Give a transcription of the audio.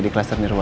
di klaster nirwana